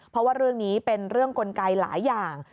เพราะว่าเรื่องนี้เป็นเรื่องกลไกหลายอย่าง